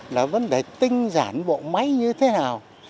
là vấn đề tinh giản bộ máy như thế nào